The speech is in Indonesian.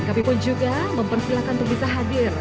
kami pun juga mempersilahkan untuk bisa hadir